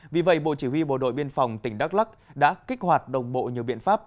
vì vậy bộ chỉ huy bộ đội biên phòng tỉnh đắk lắc đã kích hoạt đồng bộ nhiều biện pháp